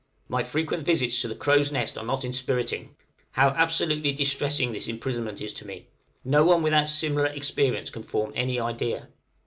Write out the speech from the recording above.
My frequent visits to the crow's nest are not inspiriting: how absolutely distressing this imprisonment is to me, no one without similar experience can form any idea.